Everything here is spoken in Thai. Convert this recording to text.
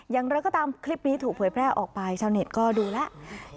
อย่างไรก็ตามคลิปนี้ถูกเผยแพร่ออกไปชาวเน็ตก็ดูแล้ว